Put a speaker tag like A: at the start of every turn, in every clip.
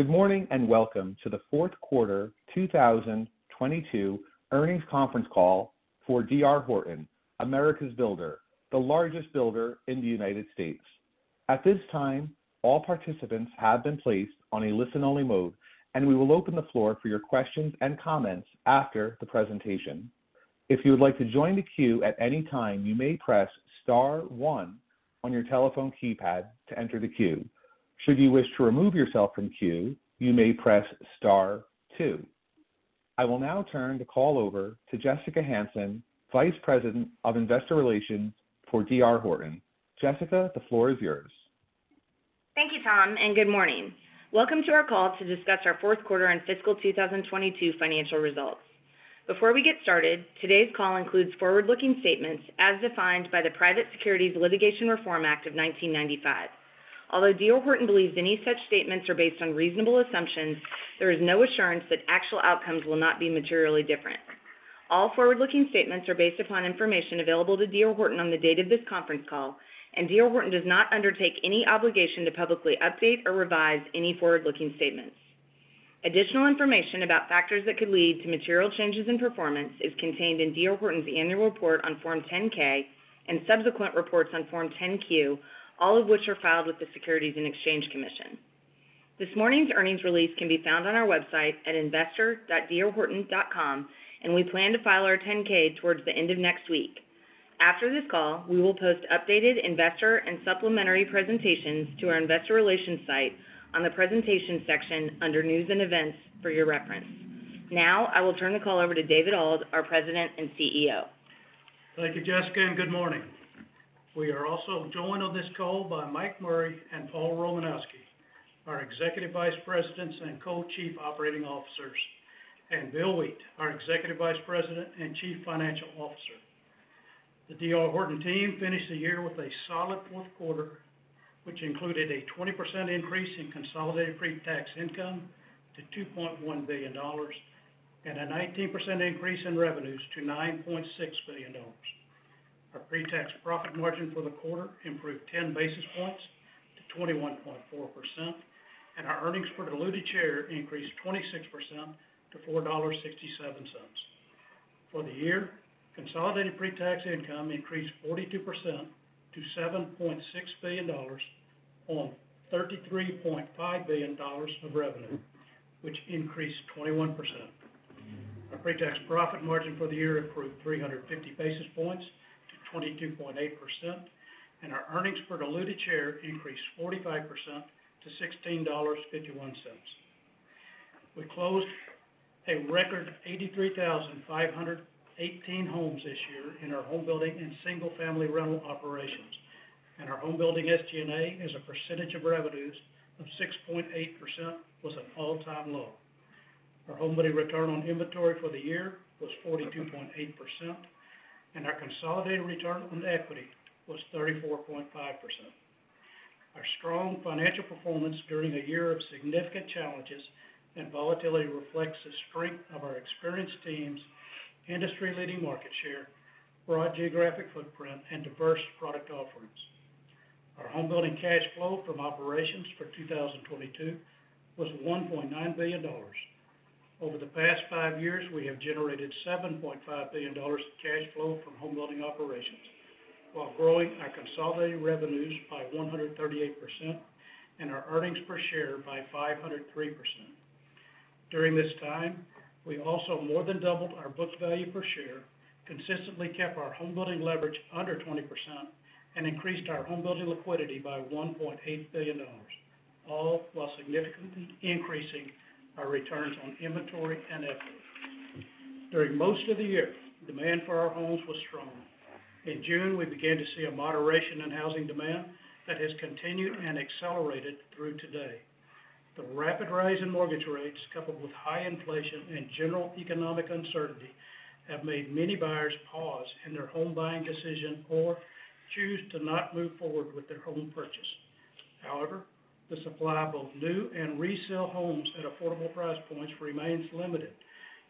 A: Good morning, and welcome to the fourth quarter 2022 earnings conference call for D.R. Horton, America's builder, the largest builder in the United States. At this time, all participants have been placed on a listen-only mode, and we will open the floor for your questions and comments after the presentation. If you would like to join the queue at any time, you may press star one on your telephone keypad to enter the queue. Should you wish to remove yourself from queue, you may press star two. I will now turn the call over to Jessica Hansen, Vice President of Investor Relations for D.R. Horton. Jessica, the floor is yours.
B: Thank you, Tom, and good morning. Welcome to our call to discuss our fourth quarter and fiscal 2022 financial results. Before we get started, today's call includes forward-looking statements as defined by the Private Securities Litigation Reform Act of 1995. Although D.R. Horton believes any such statements are based on reasonable assumptions, there is no assurance that actual outcomes will not be materially different. All forward-looking statements are based upon information available to D.R. Horton on the date of this conference call, and D.R. Horton does not undertake any obligation to publicly update or revise any forward-looking statements. Additional information about factors that could lead to material changes in performance is contained in D.R. Horton's annual report on Form 10-K and subsequent reports on Form 10-Q, all of which are filed with the Securities and Exchange Commission. This morning's earnings release can be found on our website at investor.drhorton.com, and we plan to file our 10-K towards the end of next week. After this call, we will post updated investor and supplementary presentations to our investor relations site on the presentation section under news and events for your reference. Now I will turn the call over to David Auld, our President and CEO.
C: Thank you, Jessica, and good morning. We are also joined on this call by Mike Murray and Paul Romanowski, our Executive Vice Presidents and Co-chief Operating Officers, and Bill Wheat, our Executive Vice President and Chief Financial Officer. The D.R. Horton team finished the year with a solid fourth quarter, which included a 20% increase in consolidated pre-tax income to $2.1 billion and a 19% increase in revenues to $9.6 billion. Our pre-tax profit margin for the quarter improved 10 basis points to 21.4%, and our earnings per diluted share increased 26% to $4.67. For the year, consolidated pre-tax income increased 42% to $7.6 billion on $33.5 billion of revenue, which increased 21%. Our pre-tax profit margin for the year improved 350 basis points to 22.8%, and our earnings per diluted share increased 45% to $16.51. We closed a record 83,518 homes this year in our home building and single-family rental operations, and our home building SG&A as a percentage of revenues of 6.8% was an all-time low. Our homebuilding return on inventory for the year was 42.8%, and our consolidated return on equity was 34.5%. Our strong financial performance during a year of significant challenges and volatility reflects the strength of our experienced teams, industry-leading market share, broad geographic footprint, and diverse product offerings. Our homebuilding cash flow from operations for 2022 was $1.9 billion. Over the past five years, we have generated $7.5 billion of cash flow from homebuilding operations while growing our consolidated revenues by 138% and our earnings per share by 503%. During this time, we also more than doubled our book value per share, consistently kept our homebuilding leverage under 20%, and increased our homebuilding liquidity by $1.8 billion, all while significantly increasing our returns on inventory and equity. During most of the year, demand for our homes was strong. In June, we began to see a moderation in housing demand that has continued and accelerated through today. The rapid rise in mortgage rates, coupled with high inflation and general economic uncertainty, have made many buyers pause in their home buying decision or choose to not move forward with their home purchase. However, the supply of both new and resale homes at affordable price points remains limited,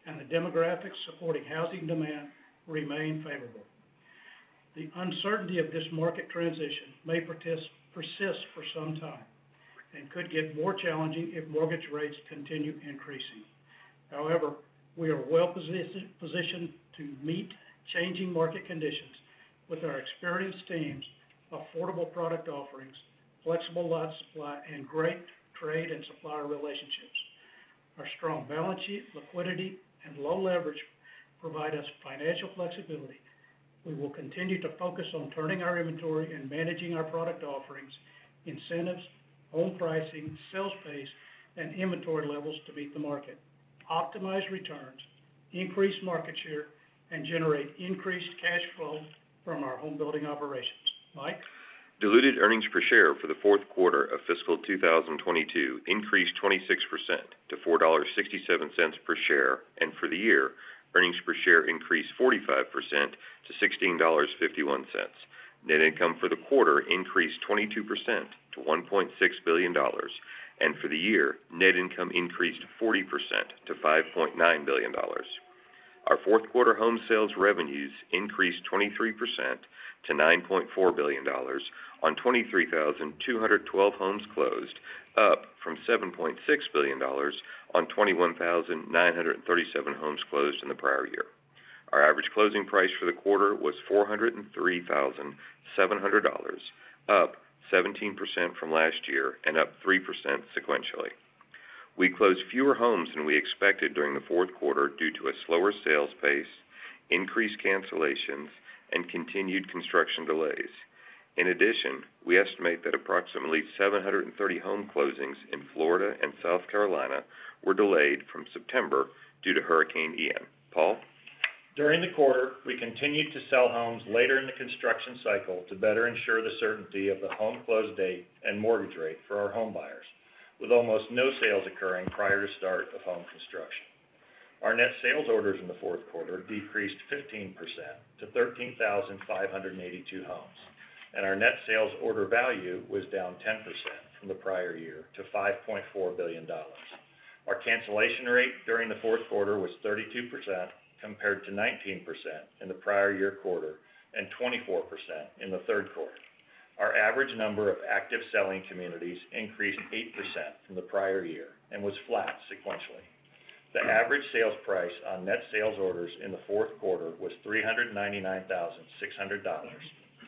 C: and the demographics supporting housing demand remain favorable. The uncertainty of this market transition may persist for some time and could get more challenging if mortgage rates continue increasing. However, we are well-positioned to meet changing market conditions with our experienced teams, affordable product offerings, flexible lot supply, and great trade and supplier relationships. Our strong balance sheet, liquidity, and low leverage provide us financial flexibility. We will continue to focus on turning our inventory and managing our product offerings, incentives, home pricing, sales pace, and inventory levels to meet the market, optimize returns, increase market share, and generate increased cash flow from our homebuilding operations. Mike?
D: Diluted earnings per share for the fourth quarter of fiscal 2022 increased 26% to $4.67 per share, and for the year, earnings per share increased 45% to $16.51. Net income for the quarter increased 22% to $1.6 billion, and for the year, net income increased 40% to $5.9 billion. Our fourth quarter home sales revenues increased 23% to $9.4 billion on 23,212 homes closed, up from $7.6 billion on 21,937 homes closed in the prior year. Our average closing price for the quarter was $403,700, up 17% from last year and up 3% sequentially. We closed fewer homes than we expected during the fourth quarter due to a slower sales pace, increased cancellations, and continued construction delays. In addition, we estimate that approximately 730 home closings in Florida and South Carolina were delayed from September due to Hurricane Ian. Paul?
E: During the quarter, we continued to sell homes later in the construction cycle to better ensure the certainty of the home close date and mortgage rate for our home buyers, with almost no sales occurring prior to start of home construction. Our net sales orders in the fourth quarter decreased 15% to 13,582 homes, and our net sales order value was down 10% from the prior year to $5.4 billion. Our cancellation rate during the fourth quarter was 32% compared to 19% in the prior year quarter and 24% in the third quarter. Our average number of active selling communities increased 8% from the prior year and was flat sequentially. The average sales price on net sales orders in the fourth quarter was $399,600,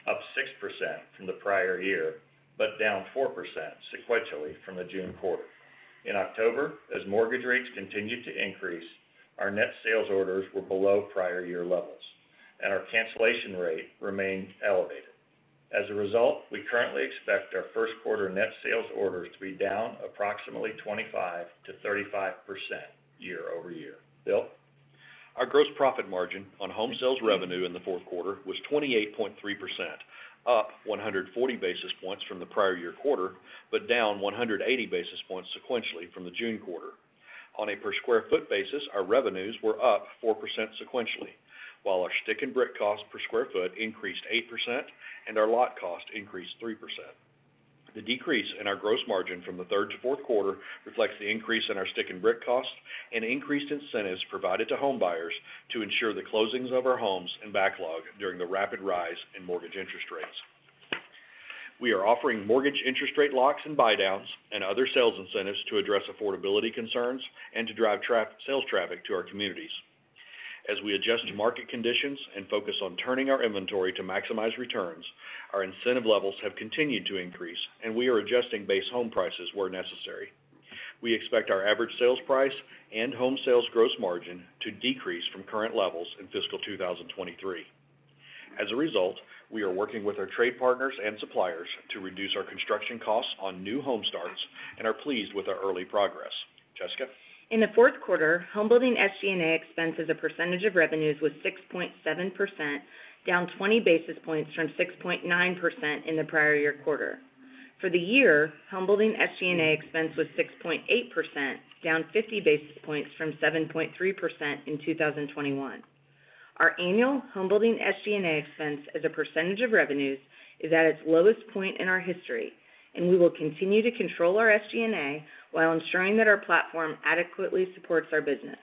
E: up 6% from the prior year, but down 4% sequentially from the June quarter. In October, as mortgage rates continued to increase, our net sales orders were below prior year levels, and our cancellation rate remained elevated. As a result, we currently expect our first quarter net sales orders to be down approximately 25%-35% year-over-year. Bill?
F: Our gross profit margin on home sales revenue in the fourth quarter was 28.3%, up 140 basis points from the prior year quarter, but down 180 basis points sequentially from the June quarter. On a per sq ft basis, our revenues were up 4% sequentially, while our stick and brick cost per sq ft increased 8% and our lot cost increased 3%. The decrease in our gross margin from the third to fourth quarter reflects the increase in our stick and brick cost and increased incentives provided to home buyers to ensure the closings of our homes and backlog during the rapid rise in mortgage interest rates. We are offering mortgage interest rate locks and buy downs and other sales incentives to address affordability concerns and to drive sales traffic to our communities. As we adjust to market conditions and focus on turning our inventory to maximize returns, our incentive levels have continued to increase, and we are adjusting base home prices where necessary. We expect our average sales price and home sales gross margin to decrease from current levels in fiscal 2023. As a result, we are working with our trade partners and suppliers to reduce our construction costs on new home starts and are pleased with our early progress. Jessica?
B: In the fourth quarter, homebuilding SG&A expense as a percentage of revenues was 6.7%, down 20 basis points from 6.9% in the prior year quarter. For the year, homebuilding SG&A expense was 6.8%, down 50 basis points from 7.3% in 2021. Our annual homebuilding SG&A expense as a percentage of revenues is at its lowest point in our history, and we will continue to control our SG&A while ensuring that our platform adequately supports our business.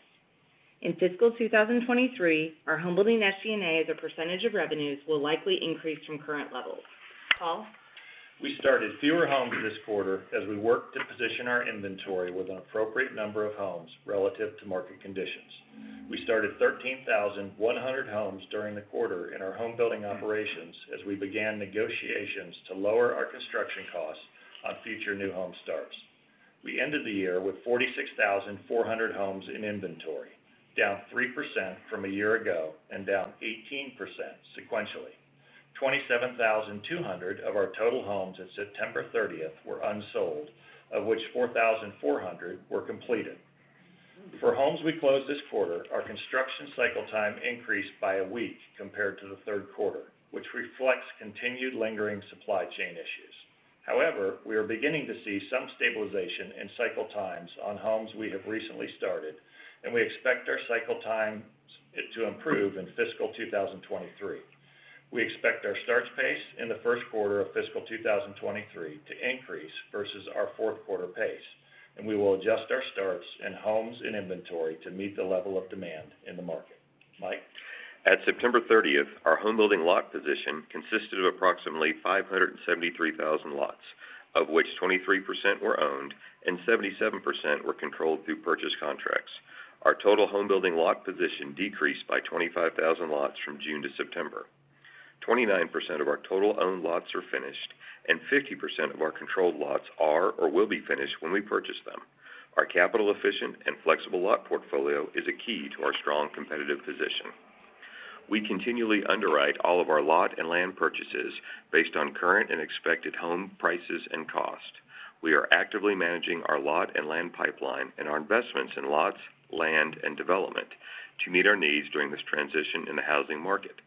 B: In fiscal 2023, our homebuilding SG&A as a percentage of revenues will likely increase from current levels. Paul?
E: We started fewer homes this quarter as we worked to position our inventory with an appropriate number of homes relative to market conditions. We started 13,100 homes during the quarter in our homebuilding operations as we began negotiations to lower our construction costs on future new home starts. We ended the year with 46,400 homes in inventory, down 3% from a year ago and down 18% sequentially. 27,200 of our total homes at September 30th were unsold, of which 4,400 were completed. For homes we closed this quarter, our construction cycle time increased by a week compared to the third quarter, which reflects continued lingering supply chain issues. However, we are beginning to see some stabilization in cycle times on homes we have recently started, and we expect our cycle times to improve in fiscal 2023. We expect our starts pace in the first quarter of fiscal 2023 to increase versus our fourth quarter pace, and we will adjust our starts and homes in inventory to meet the level of demand in the market. Mike?
D: At September 30th, our homebuilding lot position consisted of approximately 573,000 lots, of which 23% were owned and 77% were controlled through purchase contracts. Our total homebuilding lot position decreased by 25,000 lots from June to September. 29% of our total owned lots are finished, and 50% of our controlled lots are or will be finished when we purchase them. Our capital efficient and flexible lot portfolio is a key to our strong competitive position. We continually underwrite all of our lot and land purchases based on current and expected home prices and cost. We are actively managing our lot and land pipeline and our investments in lots, land, and development to meet our needs during this transition in the housing market.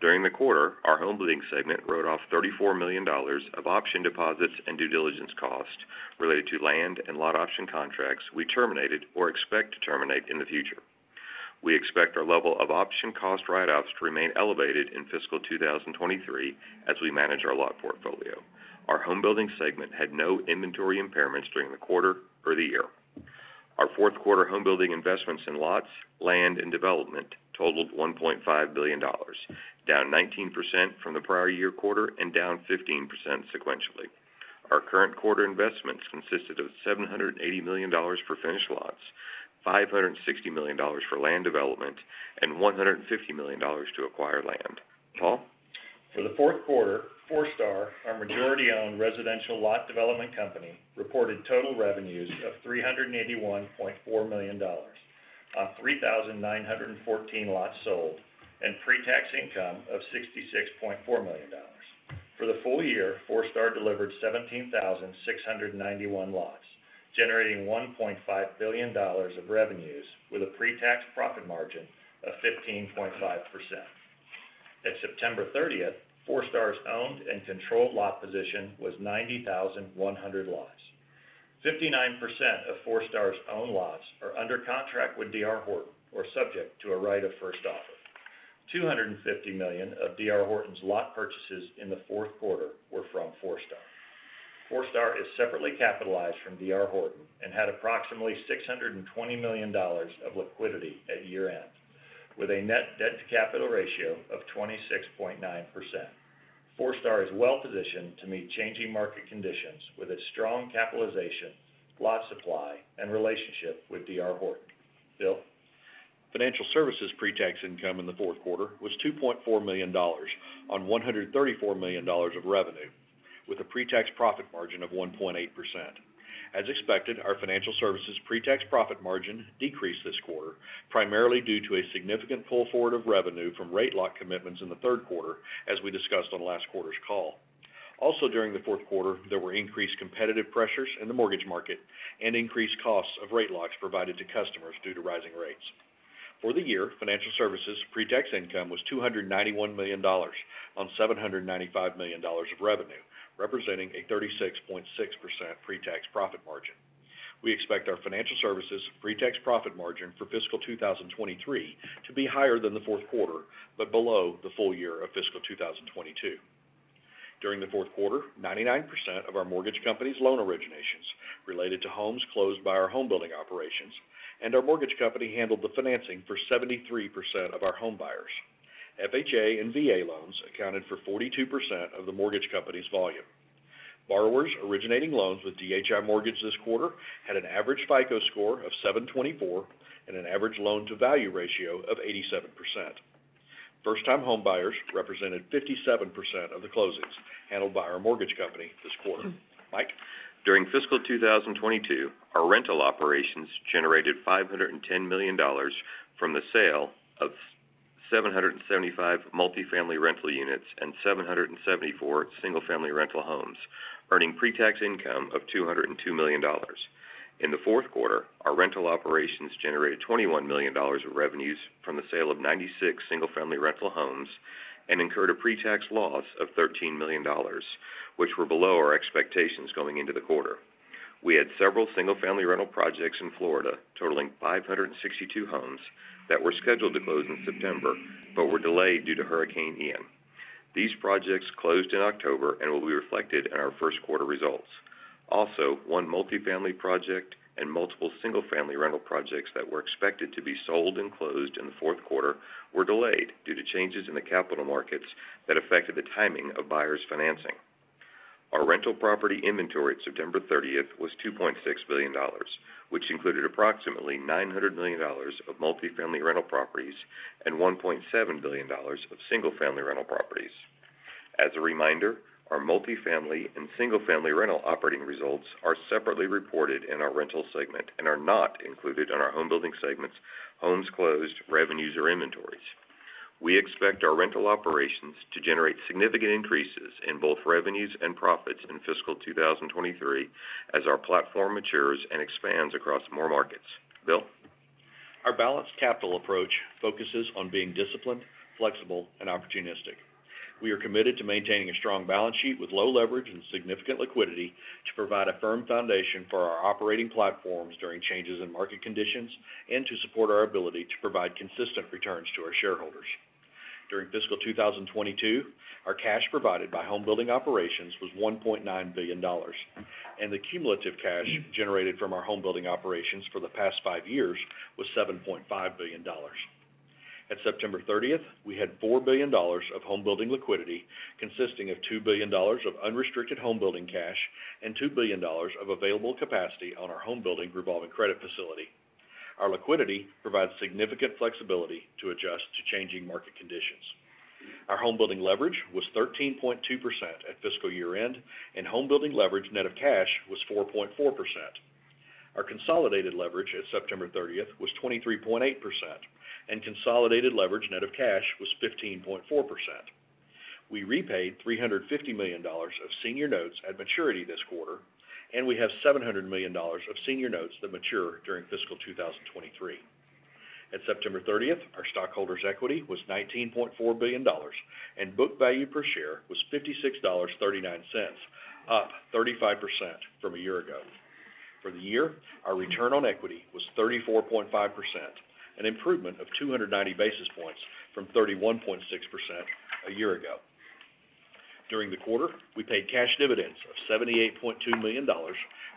D: During the quarter, our homebuilding segment wrote off $34 million of option deposits and due diligence costs related to land and lot option contracts we terminated or expect to terminate in the future. We expect our level of option cost write-offs to remain elevated in fiscal 2023 as we manage our lot portfolio. Our homebuilding segment had no inventory impairments during the quarter or the year. Our fourth quarter homebuilding investments in lots, land, and development totaled $1.5 billion, down 19% from the prior year quarter and down 15% sequentially. Our current quarter investments consisted of $780 million for finished lots, $560 million for land development, and $150 million to acquire land. Paul?
E: For the fourth quarter, Forestar, our majority-owned residential lot development company, reported total revenues of $381.4 million on 3,914 lots sold and pre-tax income of $66.4 million. For the full year, Forestar delivered 17,691 lots, generating $1.5 billion of revenues with a pre-tax profit margin of 15.5%. At September 30th, Forestar's owned and controlled lot position was 90,100 lots. 59% of Forestar's own lots are under contract with D.R. Horton or subject to a right of first offer. $250 million of D.R. Horton's lot purchases in the fourth quarter were from Forestar. Forestar is separately capitalized from D.R. Horton and had approximately $620 million of liquidity at year-end, with a net debt-to-capital ratio of 26.9%. Forestar is well-positioned to meet changing market conditions with its strong capitalization, lot supply, and relationship with D.R. Horton. Bill? Financial services pre-tax income in the fourth quarter was $2.4 million on $134 million of revenue, with a pre-tax profit margin of 1.8%. As expected, our financial services pre-tax profit margin decreased this quarter, primarily due to a significant pull forward of revenue from rate lock commitments in the third quarter, as we discussed on last quarter's call. Also during the fourth quarter, there were increased competitive pressures in the mortgage market and increased costs of rate locks provided to customers due to rising rates. For the year, financial services pre-tax income was $291 million on $795 million of revenue, representing a 36.6% pre-tax profit margin. We expect our financial services pre-tax profit margin for fiscal 2023 to be higher than the fourth quarter, but below the full year of fiscal 2022. During the fourth quarter, 99% of our mortgage company's loan originations related to homes closed by our home building operations, and our mortgage company handled the financing for 73% of our home buyers. FHA and VA loans accounted for 42% of the mortgage company's volume. Borrowers originating loans with DHI Mortgage this quarter had an average FICO score of 724 and an average loan-to-value ratio of 87%. First-time home buyers represented 57% of the closings handled by our mortgage company this quarter. Mike?
D: During fiscal 2022, our rental operations generated $510 million from the sale of 700 and 75 multifamily rental units and 774 single-family rental homes, earning pre-tax income of $202 million. In the fourth quarter, our rental operations generated $21 million of revenues from the sale of 96 single-family rental homes and incurred a pre-tax loss of $13 million, which were below our expectations going into the quarter. We had several single-family rental projects in Florida totaling 562 homes that were scheduled to close in September, but were delayed due to Hurricane Ian. These projects closed in October and will be reflected in our first quarter results. Also, one multifamily project and multiple single-family rental projects that were expected to be sold and closed in the fourth quarter were delayed due to changes in the capital markets that affected the timing of buyers' financing. Our rental property inventory at September 30th was $2.6 billion, which included approximately $900 million of multifamily rental properties and $1.7 billion of single-family rental properties. As a reminder, our multifamily and single-family rental operating results are separately reported in our rental segment and are not included in our home building segment's homes closed, revenues, or inventories. We expect our rental operations to generate significant increases in both revenues and profits in fiscal 2023 as our platform matures and expands across more markets. Bill Wheat?
F: Our balanced capital approach focuses on being disciplined, flexible, and opportunistic. We are committed to maintaining a strong balance sheet with low leverage and significant liquidity to provide a firm foundation for our operating platforms during changes in market conditions and to support our ability to provide consistent returns to our shareholders. During fiscal 2022, our cash provided by home building operations was $1.9 billion, and the cumulative cash generated from our home building operations for the past five years was $7.5 billion. At September 30th, we had $4 billion of home building liquidity, consisting of $2 billion of unrestricted home building cash and $2 billion of available capacity on our home building revolving credit facility. Our liquidity provides significant flexibility to adjust to changing market conditions. Our home building leverage was 13.2% at fiscal year-end, and home building leverage net of cash was 4.4%. Our consolidated leverage at September 30th was 23.8%, and consolidated leverage net of cash was 15.4%. We repaid $350 million of senior notes at maturity this quarter, and we have $700 million of senior notes that mature during fiscal 2023. At September 30th, our stockholders' equity was $19.4 billion, and book value per share was $56.39, up 35% from a year ago. For the year, our return on equity was 34.5%, an improvement of 290 basis points from 31.6% a year ago. During the quarter, we paid cash dividends of $78.2 million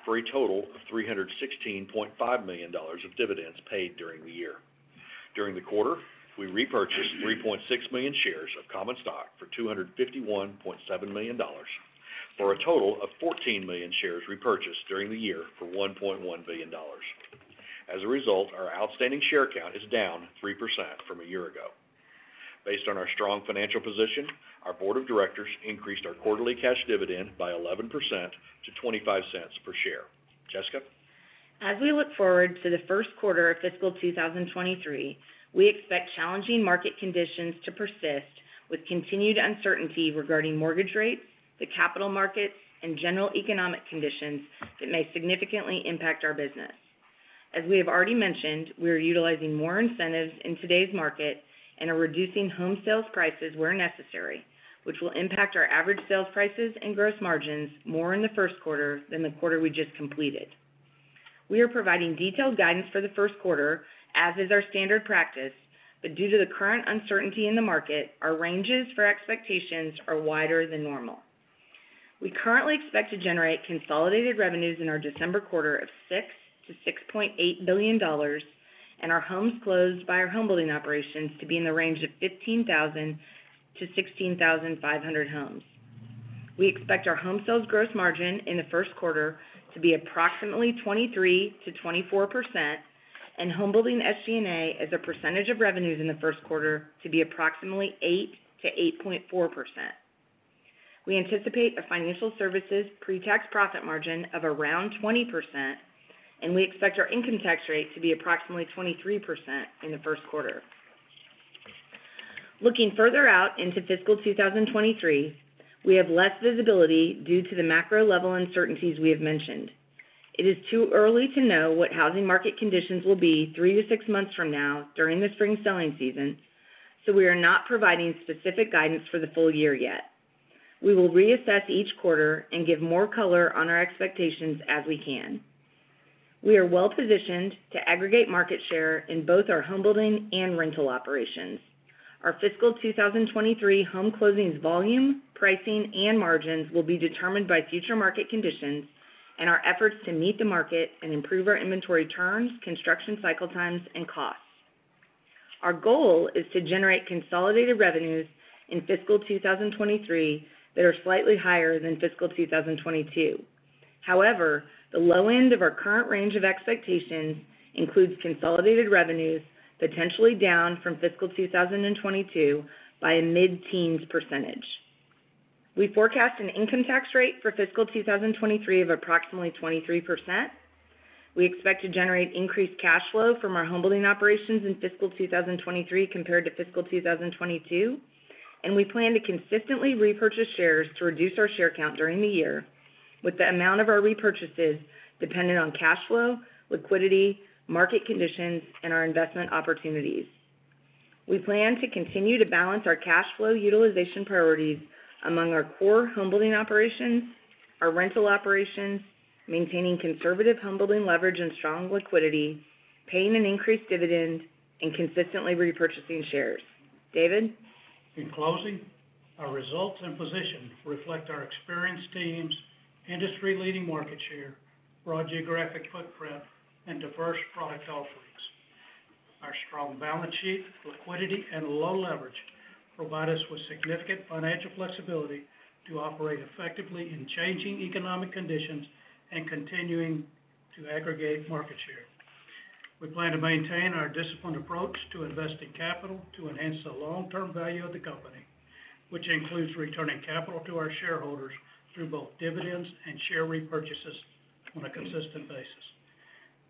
F: for a total of $316.5 million of dividends paid during the year. During the quarter, we repurchased 3.6 million shares of common stock for $251.7 million for a total of 14 million shares repurchased during the year for $1.1 billion. As a result, our outstanding share count is down 3% from a year ago. Based on our strong financial position, our board of directors increased our quarterly cash dividend by 11% to 25 cents per share. Jessica?
B: As we look forward to the first quarter of fiscal 2023, we expect challenging market conditions to persist with continued uncertainty regarding mortgage rates, the capital markets, and general economic conditions that may significantly impact our business. As we have already mentioned, we are utilizing more incentives in today's market and are reducing home sales prices where necessary, which will impact our average sales prices and gross margins more in the first quarter than the quarter we just completed. We are providing detailed guidance for the first quarter as is our standard practice, but due to the current uncertainty in the market, our ranges for expectations are wider than normal. We currently expect to generate consolidated revenues in our December quarter of $6 billion-$6.8 billion and our homes closed by our homebuilding operations to be in the range of 15,000-16,500 homes. We expect our home sales gross margin in the first quarter to be approximately 23%-24%, and homebuilding SG&A as a percentage of revenues in the first quarter to be approximately 8%-8.4%. We anticipate a financial services pretax profit margin of around 20%, and we expect our income tax rate to be approximately 23% in the first quarter. Looking further out into fiscal 2023, we have less visibility due to the macro level uncertainties we have mentioned. It is too early to know what housing market conditions will be three to six months from now during the spring selling season, so we are not providing specific guidance for the full year yet. We will reassess each quarter and give more color on our expectations as we can. We are well-positioned to aggregate market share in both our homebuilding and rental operations. Our fiscal 2023 home closings volume, pricing, and margins will be determined by future market conditions and our efforts to meet the market and improve our inventory turns, construction cycle times, and costs. Our goal is to generate consolidated revenues in fiscal 2023 that are slightly higher than fiscal 2022. However, the low end of our current range of expectations includes consolidated revenues potentially down from fiscal 2022 by a mid-teens %. We forecast an income tax rate for fiscal 2023 of approximately 23%. We expect to generate increased cash flow from our homebuilding operations in fiscal 2023 compared to fiscal 2022, and we plan to consistently repurchase shares to reduce our share count during the year with the amount of our repurchases dependent on cash flow, liquidity, market conditions, and our investment opportunities. We plan to continue to balance our cash flow utilization priorities among our core homebuilding operations, our rental operations, maintaining conservative homebuilding leverage and strong liquidity, paying an increased dividend, and consistently repurchasing shares. David?
C: In closing, our results and position reflect our experienced teams, industry-leading market share, broad geographic footprint, and diverse product offerings. Our strong balance sheet, liquidity, and low leverage provide us with significant financial flexibility to operate effectively in changing economic conditions and continuing to aggregate market share. We plan to maintain our disciplined approach to investing capital to enhance the long-term value of the company, which includes returning capital to our shareholders through both dividends and share repurchases on a consistent basis.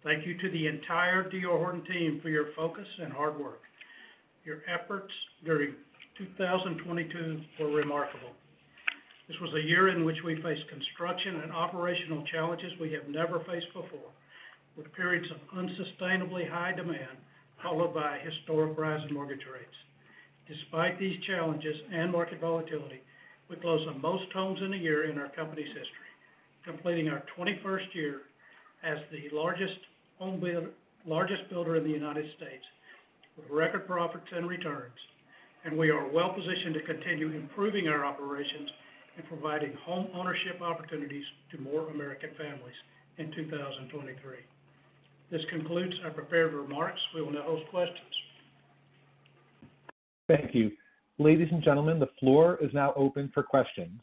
C: Thank you to the entire D.R. Horton team for your focus and hard work. Your efforts during 2022 were remarkable. This was a year in which we faced construction and operational challenges we have never faced before, with periods of unsustainably high demand followed by historic rise in mortgage rates. Despite these challenges and market volatility, we closed the most homes in a year in our company's history, completing our 21st year as the largest builder in the United States with record profits and returns, and we are well-positioned to continue improving our operations and providing home ownership opportunities to more American families in 2023. This concludes our prepared remarks. We will now host questions.
A: Thank you. Ladies and gentlemen, the floor is now open for questions.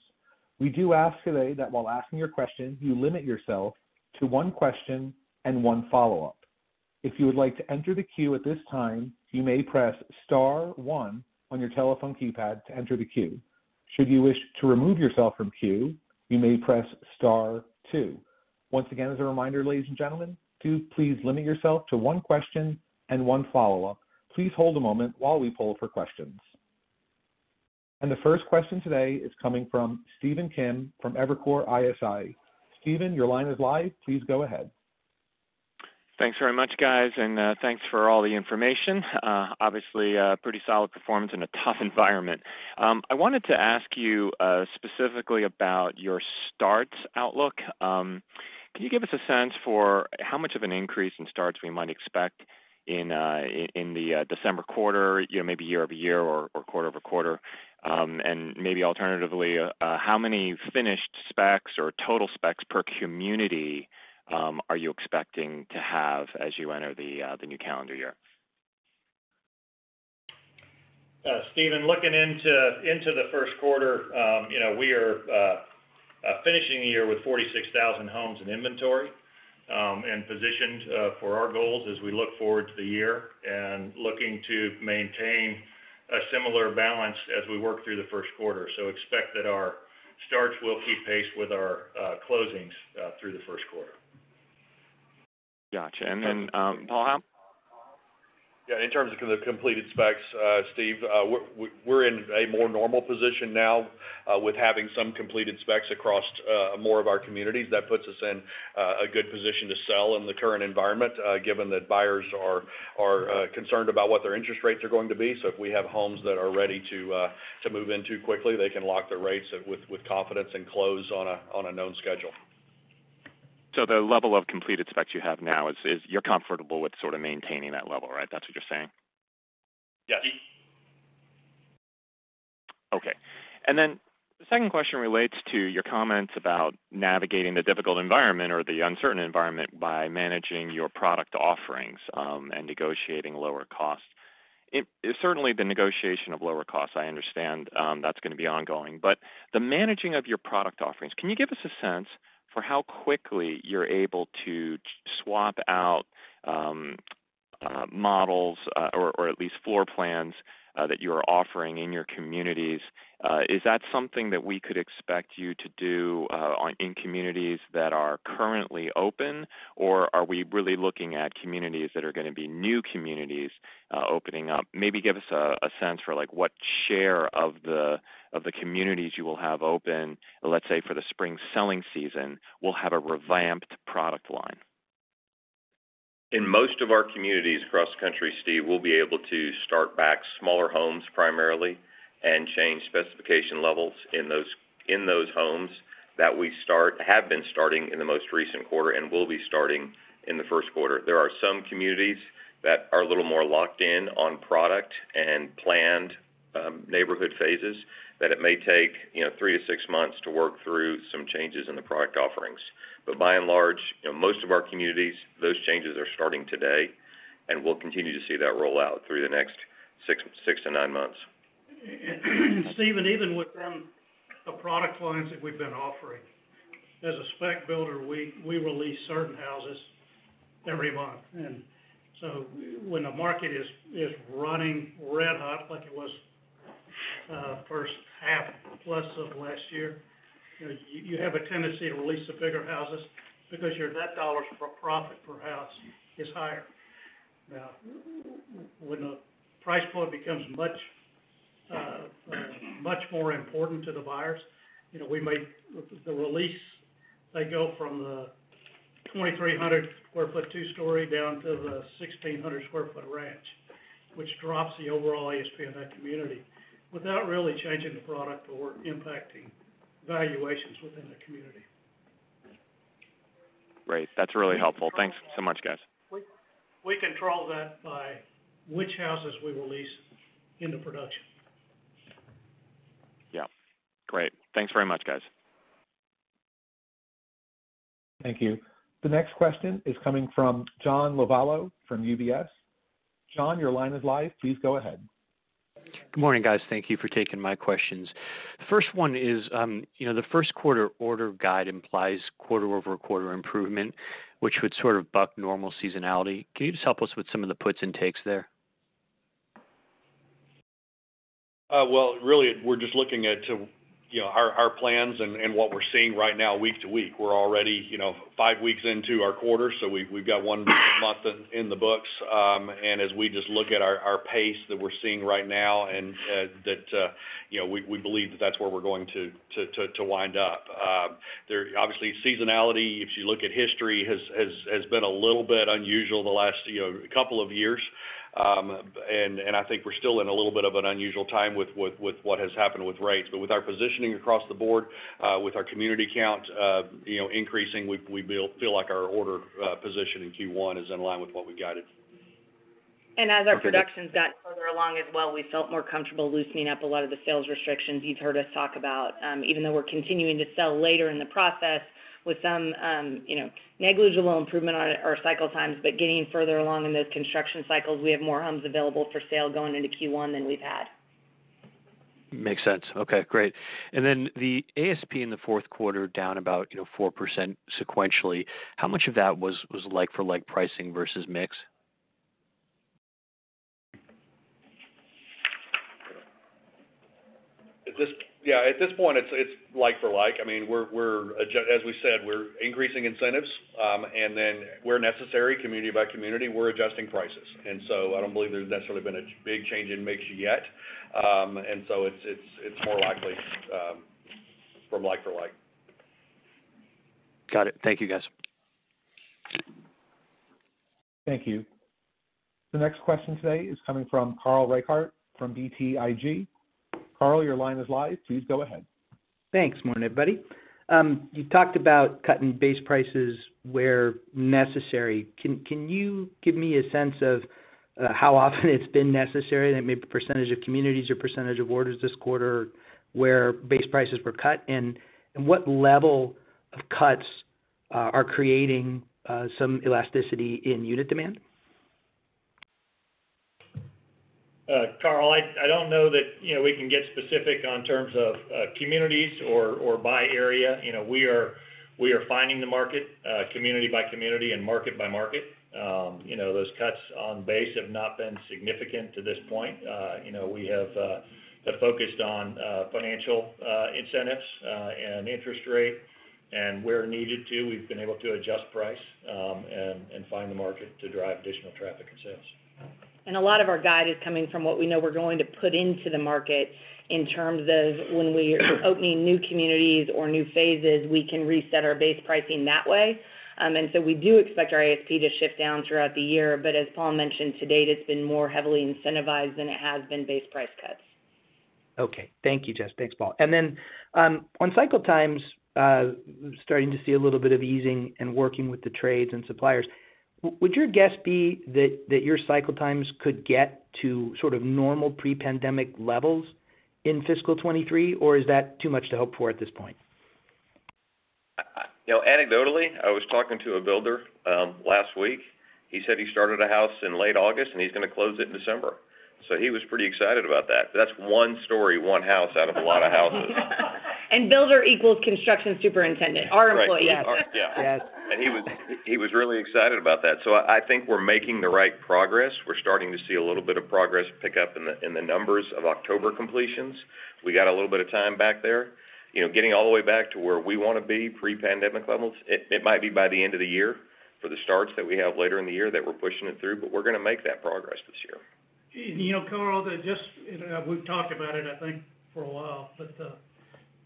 A: We do ask today that while asking your question, you limit yourself to one question and one follow-up. If you would like to enter the queue at this time, you may press star one on your telephone keypad to enter the queue. Should you wish to remove yourself from queue, you may press star two. Once again, as a reminder, ladies and gentlemen, do please limit yourself to one question and one follow-up. Please hold a moment while we poll for questions. The first question today is coming from Stephen Kim from Evercore ISI. Stephen, your line is live. Please go ahead.
G: Thanks very much, guys, and thanks for all the information. Obviously, a pretty solid performance in a tough environment. I wanted to ask you specifically about your starts outlook. Can you give us a sense for how much of an increase in starts we might expect in the December quarter, you know, maybe year-over-year or quarter-over-quarter. Maybe alternatively, how many finished specs or total specs per community are you expecting to have as you enter the new calendar year?
C: Stephen, looking into the first quarter, you know, we are finishing the year with 46,000 homes in inventory, and positioned for our goals as we look forward to the year and looking to maintain a similar balance as we work through the first quarter. Expect that our starts will keep pace with our closings through the first quarter.
G: Got you. Paul J. Romanowski?
E: Yeah. In terms of the completed specs, Steve, we're in a more normal position now with having some completed specs across more of our communities. That puts us in a good position to sell in the current environment, given that buyers are concerned about what their interest rates are going to be. If we have homes that are ready to move into quickly, they can lock their rates with confidence and close on a known schedule.
G: The level of completed specs you have now is you're comfortable with sort of maintaining that level, right? That's what you're saying?
E: Yes.
G: Okay. The second question relates to your comments about navigating the difficult environment or the uncertain environment by managing your product offerings, and negotiating lower costs. It is certainly the negotiation of lower costs, I understand, that's gonna be ongoing, but the managing of your product offerings, can you give us a sense for how quickly you're able to swap out models, or at least floor plans that you are offering in your communities? Is that something that we could expect you to do in communities that are currently open, or are we really looking at communities that are gonna be new communities opening up? Maybe give us a sense for, like, what share of the communities you will have open, let's say, for the spring selling season, will have a revamped product line.
F: In most of our communities cross-country, Steve, we'll be able to start back smaller homes primarily and change specification levels in those homes that we start, have been starting in the most recent quarter and will be starting in the first quarter. There are some communities that are a little more locked in on product and planned neighborhood phases that it may take, you know, three to six months to work through some changes in the product offerings. By and large, you know, most of our communities, those changes are starting today, and we'll continue to see that roll out through the next six to nine months.
C: Stephen, even with some of product lines that we've been offering, as a spec builder, we release certain houses every month. When the market is running red-hot like it was first half plus of last year, you know, you have a tendency to release the bigger houses because your net dollars for profit per house is higher. Now, when the price point becomes much more important to the buyers, you know, we may release they go from the 2,300 sq ft two story down to the 1,600 sq ft ranch, which drops the overall ASP of that community without really changing the product or impacting valuations within the community.
G: Great. That's really helpful. Thanks so much, guys.
C: We control that by which houses we release into production.
G: Yeah. Great. Thanks very much, guys.
A: Thank you. The next question is coming from John Lovallo from UBS. John, your line is live. Please go ahead.
H: Good morning, guys. Thank you for taking my questions. The first one is, you know, the first quarter order guide implies quarter-over-quarter improvement, which would sort of buck normal seasonality. Can you just help us with some of the puts and takes there?
F: Well, really we're just looking at, you know, our plans and what we're seeing right now week to week. We're already, you know, five weeks into our quarter, so we've got one month in the books. As we just look at our pace that we're seeing right now and that, you know, we believe that that's where we're going to wind up. There obviously seasonality, if you look at history, has been a little bit unusual the last, you know, couple of years. I think we're still in a little bit of an unusual time with what has happened with rates. With our positioning across the board, with our community count, you know, increasing, we feel like our order position in Q1 is in line with what we guided.
B: As our production's got further along as well, we felt more comfortable loosening up a lot of the sales restrictions you've heard us talk about. Even though we're continuing to sell later in the process with some, you know, negligible improvement on our cycle times, but getting further along in those construction cycles, we have more homes available for sale going into Q1 than we've had.
H: Makes sense. Okay, great. Then the ASP in the fourth quarter down about, you know, 4% sequentially. How much of that was like-for-like pricing versus mix?
F: Yeah, at this point, it's like for like, I mean, as we said, we're increasing incentives, and then where necessary, community by community, we're adjusting prices. I don't believe there's necessarily been a big change in mix yet. It's more likely from like for like.
H: Got it. Thank you, guys.
A: Thank you. The next question today is coming from Carl Reichardt from BTIG. Carl, your line is live. Please go ahead.
I: Thanks. Morning, everybody. You talked about cutting base prices where necessary. Can you give me a sense of how often it's been necessary? Maybe the percentage of communities or percentage of orders this quarter where base prices were cut, and what level of cuts are creating some elasticity in unit demand?
F: Carl, I don't know that, you know, we can get specific in terms of communities or by area. You know, we are finding the market community by community and market by market. You know, those cuts on base have not been significant to this point. You know, we have focused on financial incentives and interest rate. Where needed to, we've been able to adjust price and find the market to drive additional traffic and sales.
B: A lot of our guide is coming from what we know we're going to put into the market in terms of when we are opening new communities or new phases, we can reset our base pricing that way. We do expect our ASP to shift down throughout the year. As Paul mentioned, to date, it's been more heavily incentivized than it has been base price cuts.
I: Okay. Thank you, Jess. Thanks, Paul. On cycle times, starting to see a little bit of easing and working with the trades and suppliers, would your guess be that your cycle times could get to sort of normal pre-pandemic levels in fiscal 2023, or is that too much to hope for at this point?
F: You know, anecdotally, I was talking to a builder last week. He said he started a house in late August, and he's gonna close it in December. He was pretty excited about that. That's one story, one house out of a lot of houses.
B: Builder equals construction superintendent, our employee. Yes.
F: Right. Yeah.
I: Yes.
F: He was really excited about that. I think we're making the right progress. We're starting to see a little bit of progress pick up in the numbers of October completions. We got a little bit of time back there. You know, getting all the way back to where we wanna be pre-pandemic levels, it might be by the end of the year for the starts that we have later in the year that we're pushing it through, but we're gonna make that progress this year.
C: You know, Carl,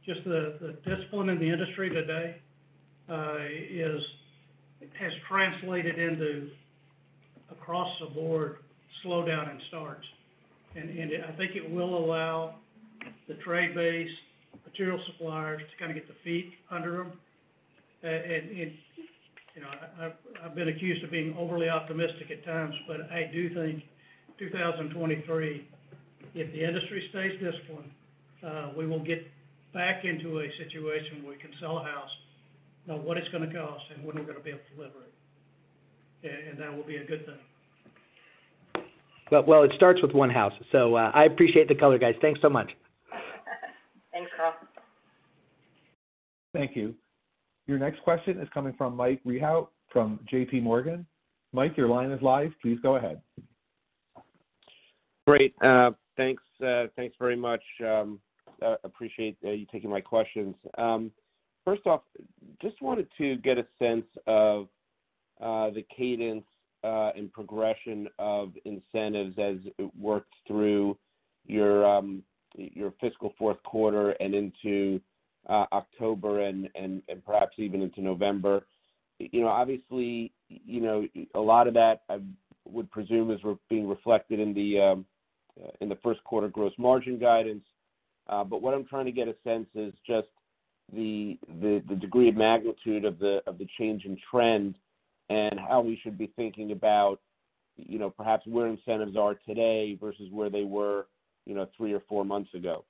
C: just the discipline in the industry today has translated into across the board slowdown in starts. I think it will allow the trade base, material suppliers to kind of get their feet under them. You know, I've been accused of being overly optimistic at times, but I do think 2023, if the industry stays disciplined, we will get back into a situation where we can sell a house, know what it's gonna cost, and when we're gonna be able to deliver it. That will be a good thing.
I: Well, it starts with one house, so, I appreciate the color, guys. Thanks so much.
B: Thanks, Carl.
A: Thank you. Your next question is coming from Mike Rehaut from JPMorgan. Mike, your line is live. Please go ahead.
J: Great. Thanks, thanks very much. Appreciate you taking my questions. First off, just wanted to get a sense of the cadence and progression of incentives as it works through your fiscal fourth quarter and into October and perhaps even into November. You know, obviously, you know, a lot of that, I would presume, is being reflected in the first quarter gross margin guidance. What I'm trying to get a sense is just the degree of magnitude of the change in trend and how we should be thinking about, you know, perhaps where incentives are today versus where they were, you know, three or four months ago.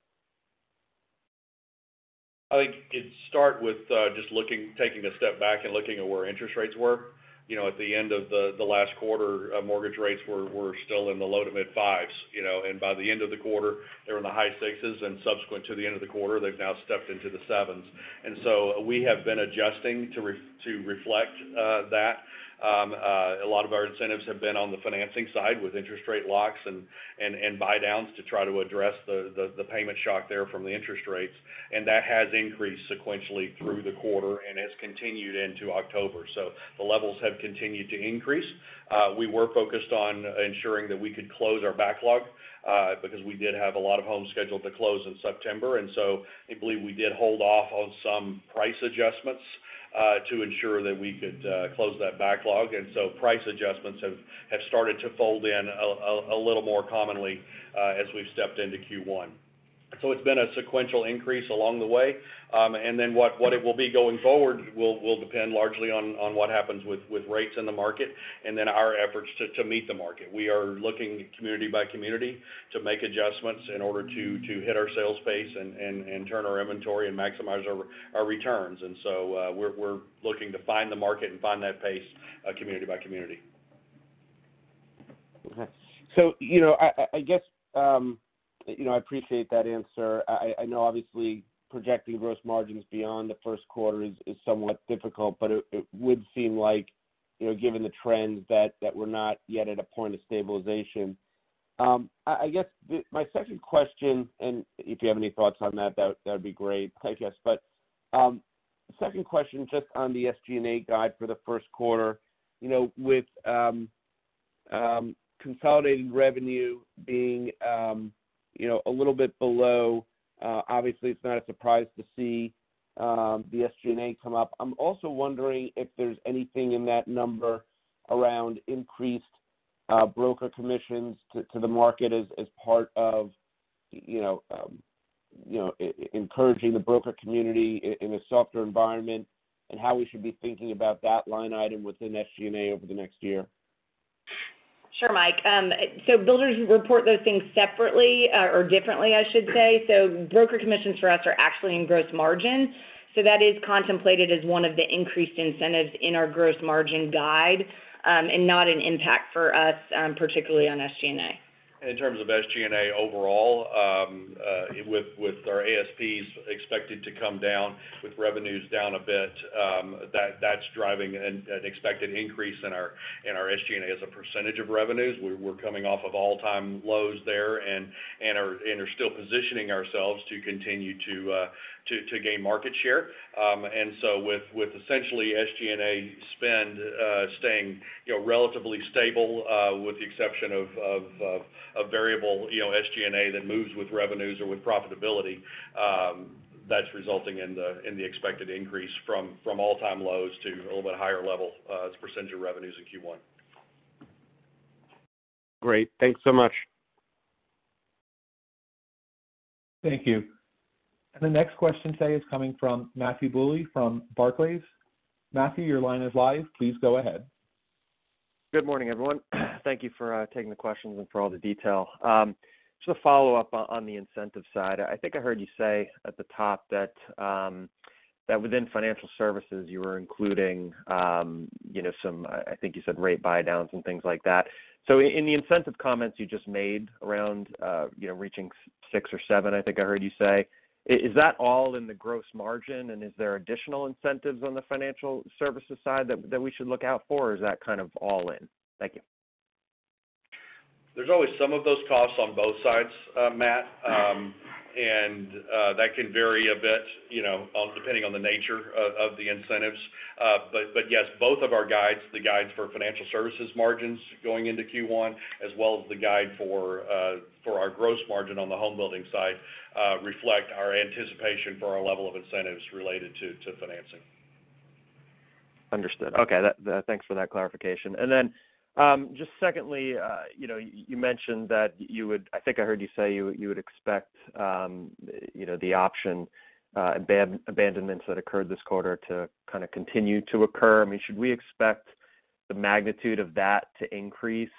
F: I think it'd start with just looking, taking a step back and looking at where interest rates were. You know, at the end of the last quarter, mortgage rates were still in the low to mid-5s, you know. By the end of the quarter, they were in the high 6s, and subsequent to the end of the quarter, they've now stepped into the 7s. We have been adjusting to reflect that. A lot of our incentives have been on the financing side with interest rate locks and buydowns to try to address the payment shock there from the interest rates. That has increased sequentially through the quarter and has continued into October. The levels have continued to increase. We were focused on ensuring that we could close our backlog, because we did have a lot of homes scheduled to close in September. I believe we did hold off on some price adjustments to ensure that we could close that backlog. Price adjustments have started to fold in a little more commonly as we've stepped into Q1. It's been a sequential increase along the way. What it will be going forward will depend largely on what happens with rates in the market and then our efforts to meet the market. We are looking community by community to make adjustments in order to hit our sales pace and turn our inventory and maximize our returns. We're looking to find the market and find that pace, community by community.
K: You know, I guess, you know, I appreciate that answer. I know obviously projecting gross margins beyond the first quarter is somewhat difficult, but it would seem like, you know, given the trends that we're not yet at a point of stabilization. I guess. My second question, and if you have any thoughts on that'd be great, I guess. Second question, just on the SG&A guide for the first quarter. You know, with
J: Consolidating revenue being, you know, a little bit below, obviously it's not a surprise to see, the SG&A come up. I'm also wondering if there's anything in that number around increased broker commissions to the market as part of, you know, encouraging the broker community in a softer environment, and how we should be thinking about that line item within SG&A over the next year.
B: Sure, Mike. Builders report those things separately or differently, I should say. Broker commissions for us are actually in gross margin. That is contemplated as one of the increased incentives in our gross margin guide, and not an impact for us, particularly on SG&A.
F: In terms of SG&A overall, with our ASPs expected to come down with revenues down a bit, that's driving an expected increase in our SG&A as a percentage of revenues. We're coming off of all-time lows there and are still positioning ourselves to continue to gain market share. With essentially SG&A spend staying, you know, relatively stable, with the exception of variable, you know, SG&A that moves with revenues or with profitability, that's resulting in the expected increase from all-time lows to a little bit higher level as a percentage of revenues in Q1.
J: Great. Thanks so much.
A: Thank you. The next question today is coming from Matthew Bouley from Barclays. Matthew, your line is live. Please go ahead.
L: Good morning, everyone. Thank you for taking the questions and for all the detail. Just a follow-up on the incentive side. I think I heard you say at the top that within financial services, you were including, you know, some, I think you said rate buydowns and things like that. In the incentive comments you just made around, you know, reaching 6six or seven, I think I heard you say, is that all in the gross margin, and is there additional incentives on the financial services side that we should look out for, or is that kind of all in? Thank you.
F: There's always some of those costs on both sides, Matt, and that can vary a bit, you know, depending on the nature of the incentives. But yes, both of our guides, the guides for financial services margins going into Q1, as well as the guide for our gross margin on the home building side, reflect our anticipation for our level of incentives related to financing.
L: Understood. Okay. Thanks for that clarification. Just secondly, you know, you mentioned that you would—I think I heard you say you would expect, you know, the option abandonments that occurred this quarter to kind of continue to occur. I mean, should we expect the magnitude of that to increase?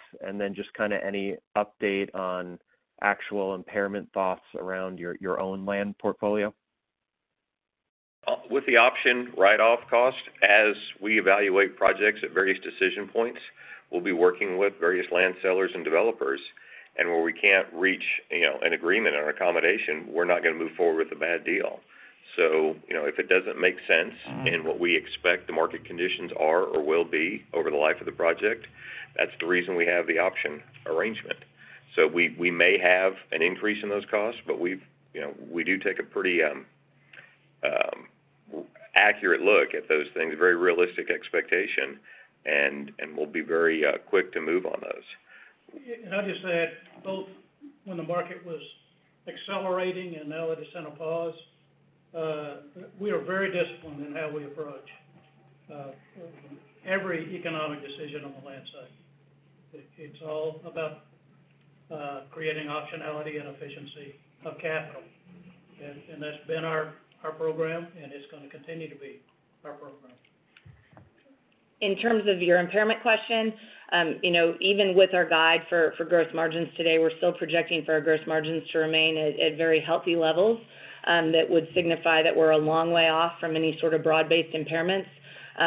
L: Just kind of any update on actual impairment thoughts around your own land portfolio.
F: With the option cost write-off, as we evaluate projects at various decision points, we'll be working with various land sellers and developers. Where we can't reach, you know, an agreement or accommodation, we're not gonna move forward with a bad deal. You know, if it doesn't make sense in what we expect the market conditions are or will be over the life of the project, that's the reason we have the option arrangement. We may have an increase in those costs, but we've, you know, we do take a pretty accurate look at those things, very realistic expectation, and we'll be very quick to move on those.
J: Can I just add, both when the market was accelerating and now at a central pause, we are very disciplined in how we approach every economic decision on the land side. It's all about creating optionality and efficiency of capital. That's been our program, and it's gonna continue to be our program.
B: In terms of your impairment question, you know, even with our guide for gross margins today, we're still projecting for our gross margins to remain at very healthy levels that would signify that we're a long way off from any sort of broad-based impairments.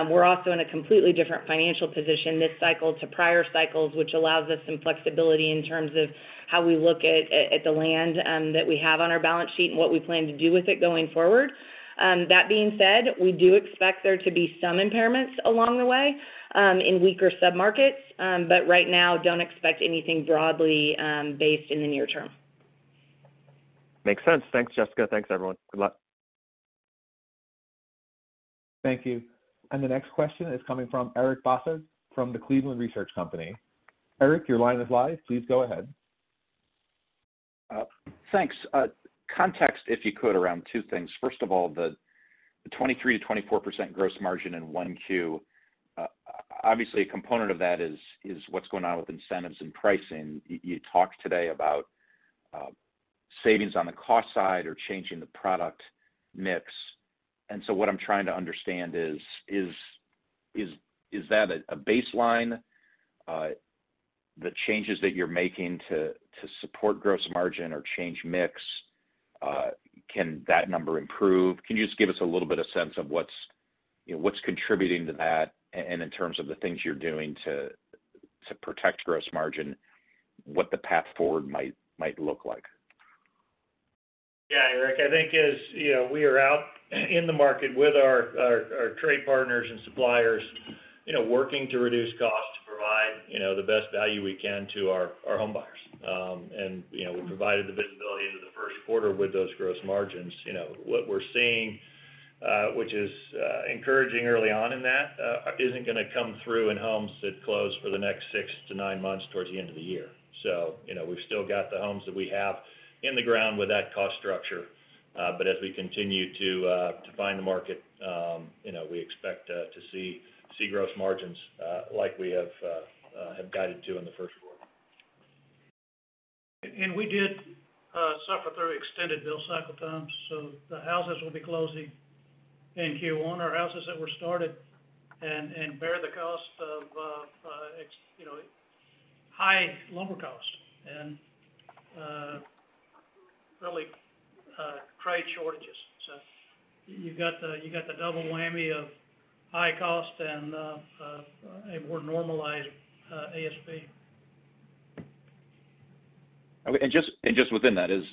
B: We're also in a completely different financial position this cycle to prior cycles, which allows us some flexibility in terms of how we look at the land that we have on our balance sheet and what we plan to do with it going forward. That being said, we do expect there to be some impairments along the way in weaker sub-markets, but right now, don't expect anything broadly based in the near term.
L: Makes sense. Thanks, Jessica. Thanks, everyone. Good luck.
A: Thank you. The next question is coming from Eric Bosshard from the Cleveland Research Company. Eric, your line is live. Please go ahead.
M: Thanks. Context, if you could, around two things. First of all, the 23%-24% gross margin in 1Q, obviously a component of that is what's going on with incentives and pricing. You talked today about savings on the cost side or changing the product mix. What I'm trying to understand is that a baseline, the changes that you're making to support gross margin or change mix, can that number improve? Can you just give us a little bit of sense of what's contributing to that, and in terms of the things you're doing to protect gross margin, what the path forward might look like?
F: Yeah, Eric. I think as you know, we are out in the market with our trade partners and suppliers, you know, working to reduce costs, provide you know, the best value we can to our home buyers. We provided the visibility into the first quarter with those gross margins. You know, what we're seeing, which is encouraging early on in that, isn't gonna come through in homes that close for the next six to nine months towards the end of the year. We've still got the homes that we have in the ground with that cost structure. As we continue to feel the market, you know, we expect to see gross margins like we have guided to in the first quarter.
C: We did suffer through extended build cycle times, so the houses will be closing in Q1 are houses that were started and bear the cost of high lumber cost and trade shortages. You've got the double whammy of high cost and a more normalized ASP.
M: Just within that, is.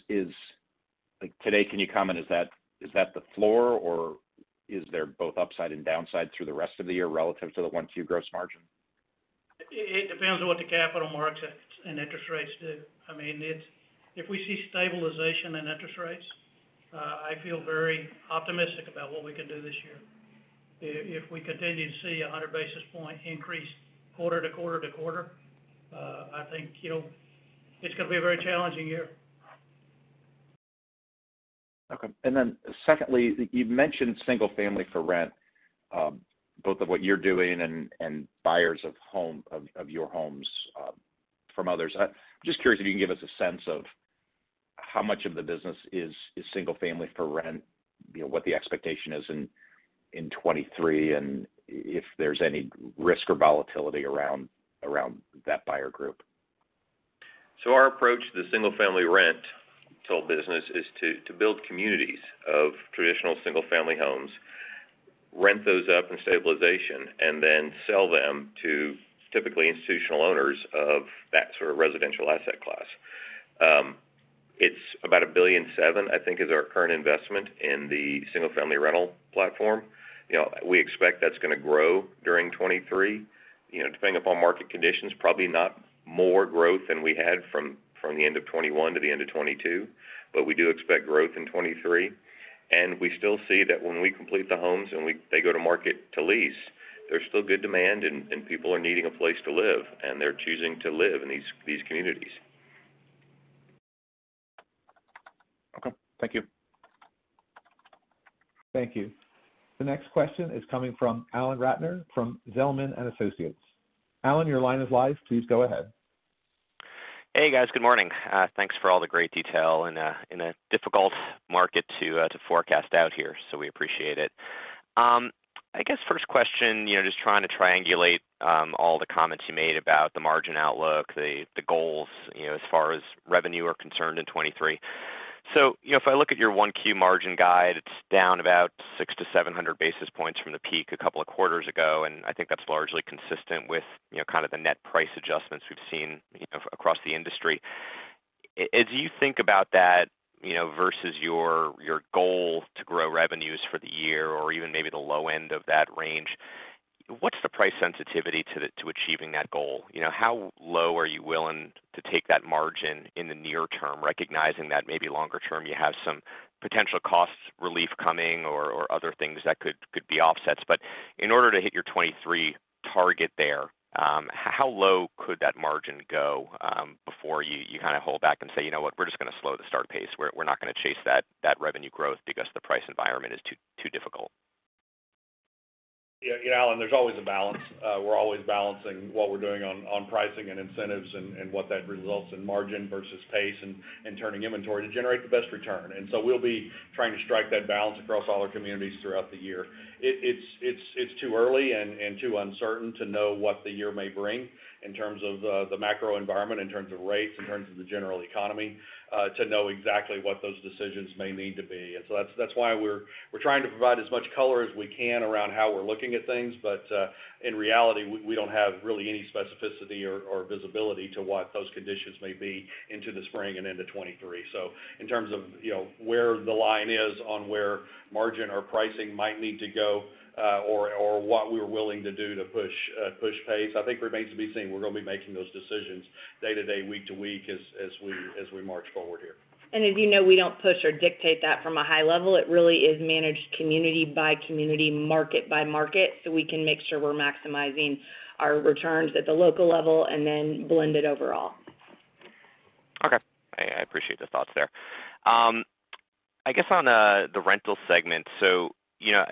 M: Like, today, can you comment, is that the floor or is there both upside and downside through the rest of the year relative to the 1Q gross margin?
C: It depends on what the capital markets and interest rates do. I mean, it's. If we see stabilization in interest rates, I feel very optimistic about what we can do this year. If we continue to see 100 basis point increase quarter to quarter to quarter, I think, you know, it's gonna be a very challenging year.
M: Okay. Secondly, you've mentioned single-family for rent, both of what you're doing and buyers of your homes from others. Just curious if you can give us a sense of how much of the business is single family for rent, you know, what the expectation is in 2023, and if there's any risk or volatility around that buyer group.
F: Our approach to the single-family rental business is to build communities of traditional single-family homes, rent those up to stabilization, and then sell them to typically institutional owners of that sort of residential asset class. It's about $1.7 billion, I think, is our current investment in the single-family rental platform. You know, we expect that's gonna grow during 2023. You know, depending upon market conditions, probably not more growth than we had from the end of 2021 to the end of 2022, but we do expect growth in 2023. We still see that when we complete the homes and they go to market to lease, there's still good demand and people are needing a place to live, and they're choosing to live in these communities.
M: Okay. Thank you.
A: Thank you. The next question is coming from Alan Ratner from Zelman & Associates. Alan, your line is live. Please go ahead.
K: Hey, guys. Good morning. Thanks for all the great detail in a difficult market to forecast out here, so we appreciate it. I guess first question, you know, just trying to triangulate all the comments you made about the margin outlook, the goals, you know, as far as revenue are concerned in 2023. You know, if I look at your 1Q margin guide, it's down about 600-700 basis points from the peak a couple of quarters ago, and I think that's largely consistent with, you know, kind of the net price adjustments we've seen, you know, across the industry. As you think about that, you know, versus your goal to grow revenues for the year or even maybe the low end of that range, what's the price sensitivity to achieving that goal? You know, how low are you willing to take that margin in the near term, recognizing that maybe longer term you have some potential cost relief coming or other things that could be offsets. In order to hit your 2023 target there, how low could that margin go before you kind of hold back and say, "You know what? We're just gonna slow the start pace. We're not gonna chase that revenue growth because the price environment is too difficult"?
F: Yeah. You know, Alan, there's always a balance. We're always balancing what we're doing on pricing and incentives and what that results in margin versus pace and turning inventory to generate the best return. We'll be trying to strike that balance across all our communities throughout the year. It's too early and too uncertain to know what the year may bring in terms of the macro environment, in terms of rates, in terms of the general economy, to know exactly what those decisions may need to be. That's why we're trying to provide as much color as we can around how we're looking at things. In reality, we don't have really any specificity or visibility to what those conditions may be into the spring and into 2023. In terms of, you know, where the line is on where margin or pricing might need to go, or what we're willing to do to push pace, I think remains to be seen. We're gonna be making those decisions day to day, week to week as we march forward here.
B: As you know, we don't push or dictate that from a high level. It really is managed community by community, market by market, so we can make sure we're maximizing our returns at the local level and then blend it overall.
K: Okay. I appreciate the thoughts there. I guess on the rental segment, you know,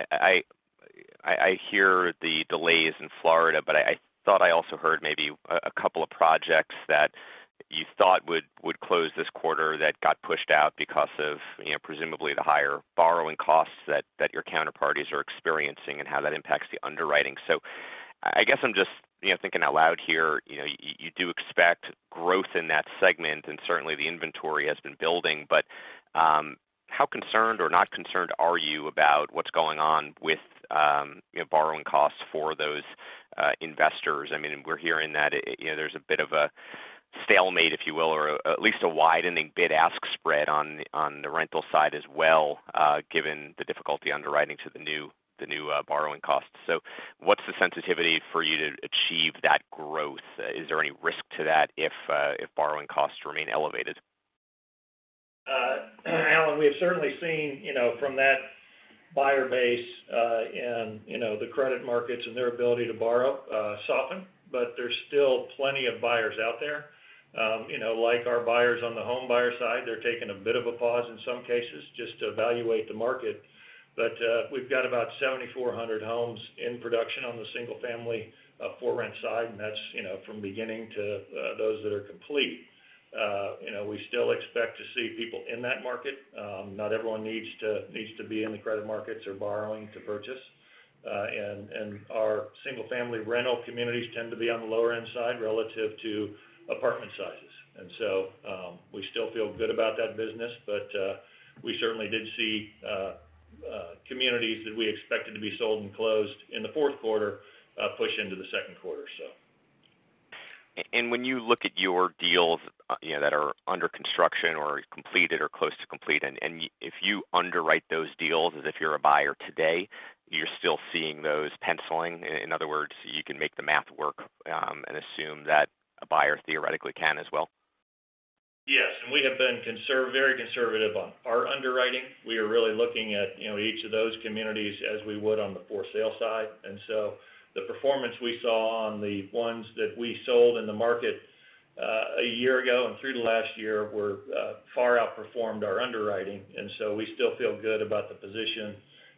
K: I hear the delays in Florida, but I thought I also heard maybe a couple of projects that you thought would close this quarter that got pushed out because of, you know, presumably the higher borrowing costs that your counterparties are experiencing and how that impacts the underwriting. I guess I'm just, you know, thinking out loud here. You know, you do expect growth in that segment, and certainly the inventory has been building. How concerned or not concerned are you about what's going on with, you know, borrowing costs for those investors? I mean, we're hearing that, you know, there's a bit of a stalemate, if you will, or at least a widening bid-ask spread on the rental side as well, given the difficulty underwriting to the new borrowing costs. What's the sensitivity for you to achieve that growth? Is there any risk to that if borrowing costs remain elevated?
E: Alan, we have certainly seen, you know, from that buyer base, and, you know, the credit markets and their ability to borrow, soften, but there's still plenty of buyers out there. You know, like our buyers on the home buyer side, they're taking a bit of a pause in some cases just to evaluate the market. We've got about 7,400 homes in production on the single family, for rent side, and that's, you know, from beginning to, those that are complete. You know, we still expect to see people in that market. Not everyone needs to, needs to be in the credit markets or borrowing to purchase. And our single family rental communities tend to be on the lower end side relative to apartment sizes. We still feel good about that business, but we certainly did see communities that we expected to be sold and closed in the fourth quarter push into the second quarter, so.
K: When you look at your deals, you know, that are under construction or completed or close to complete, if you underwrite those deals as if you're a buyer today, you're still seeing those penciling? In other words, you can make the math work, and assume that a buyer theoretically can as well.
E: Yes. We have been very conservative on our underwriting. We are really looking at, you know, each of those communities as we would on the for sale side. The performance we saw on the ones that we sold in the market a year ago and through to last year were far outperformed our underwriting. We still feel good about the position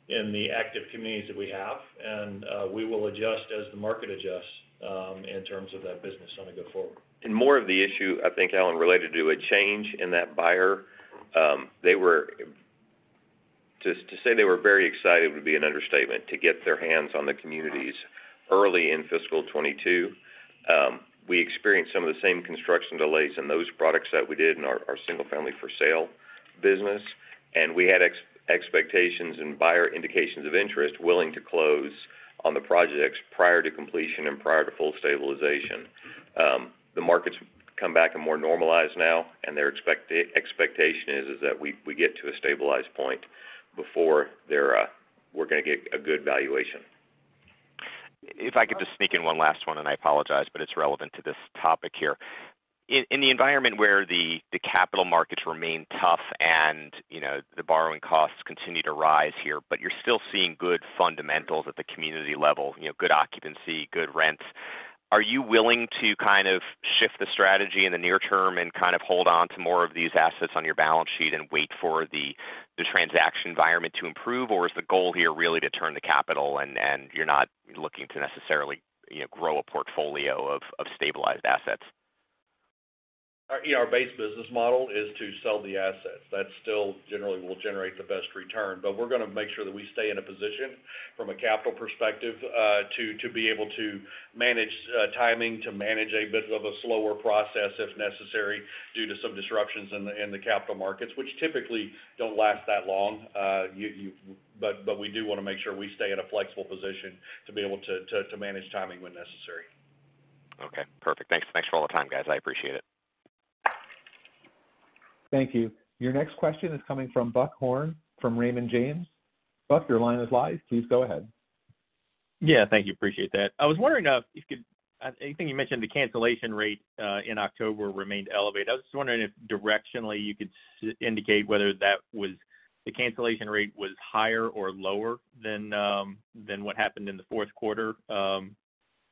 E: in the active communities that we have, and we will adjust as the market adjusts in terms of that business as we go forward.
F: More of the issue, I think, Alan, related to a change in that buyer. To say they were very excited would be an understatement to get their hands on the communities early in fiscal 2022. We experienced some of the same construction delays in those products that we did in our single family for sale business, and we had expectations and buyer indications of interest willing to close on the projects prior to completion and prior to full stabilization. The market's come back and more normalized now, and their expectation is that we get to a stabilized point before we're gonna get a good valuation.
K: If I could just sneak in one last one, and I apologize, but it's relevant to this topic here. In the environment where the capital markets remain tough and, you know, the borrowing costs continue to rise here, but you're still seeing good fundamentals at the community level, you know, good occupancy, good rents, are you willing to kind of shift the strategy in the near term and kind of hold on to more of these assets on your balance sheet and wait for the transaction environment to improve? Or is the goal here really to turn the capital and you're not looking to necessarily, you know, grow a portfolio of stabilized assets?
E: Our IRR-based business model is to sell the assets. That still generally will generate the best return. We're gonna make sure that we stay in a position from a capital perspective, to be able to manage timing, to manage a bit of a slower process if necessary, due to some disruptions in the capital markets, which typically don't last that long. We do wanna make sure we stay in a flexible position to be able to manage timing when necessary.
K: Okay. Perfect. Thanks. Thanks for all the time, guys. I appreciate it.
A: Thank you. Your next question is coming from Buck Horne from Raymond James. Buck, your line is live. Please go ahead.
N: Yeah, thank you. Appreciate that. I was wondering. I think you mentioned the cancellation rate in October remained elevated. I was just wondering if directionally you could indicate whether the cancellation rate was higher or lower than what happened in the fourth quarter,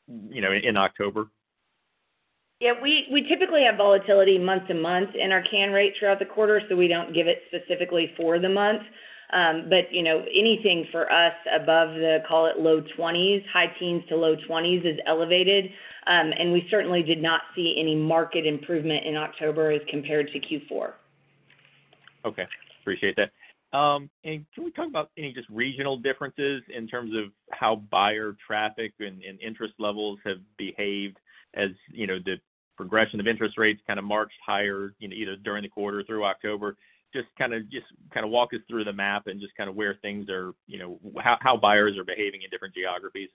N: you know, in October.
B: Yeah, we typically have volatility month-to-month in our cancel rate throughout the quarter, so we don't give it specifically for the month. You know, anything for us above, call it, high teens to low 20s is elevated. We certainly did not see any market improvement in October as compared to Q4.
N: Okay. Appreciate that. Can we talk about any just regional differences in terms of how buyer traffic and interest levels have behaved as, you know, the progression of interest rates kind of marched higher in either during the quarter through October? Just kind of walk us through the map and just kind of where things are, you know, how buyers are behaving in different geographies.